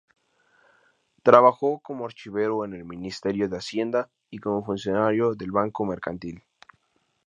Trabajó como archivero en el Ministerio de Hacienda y como funcionario del Banco Mercantil.